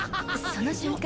その瞬間